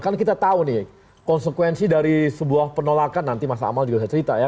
kan kita tahu nih konsekuensi dari sebuah penolakan nanti mas amal juga bisa cerita ya